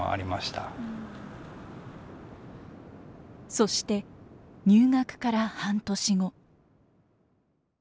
そして入学から半年後。